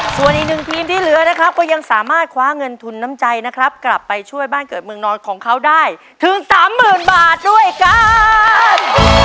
ส่วนอีกหนึ่งทีมที่เหลือนะครับก็ยังสามารถคว้าเงินทุนน้ำใจนะครับกลับไปช่วยบ้านเกิดเมืองนอนของเขาได้ถึงสามหมื่นบาทด้วยกัน